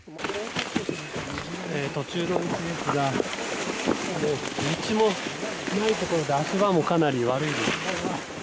途中の道ですが道もないところで足場もかなり悪いです。